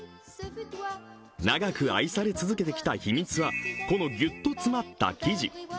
長く愛され続けてきた秘密はこのギュッと詰まった生地。